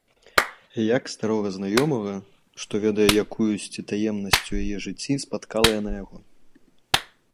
Як старога знаёмага, што ведае якуюсьці таемнасць у яе жыцці, спаткала яна яго.